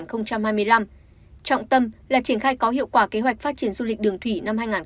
trọng tâm là triển khai có hiệu quả kế hoạch phát triển du lịch đường thủy năm hai nghìn hai mươi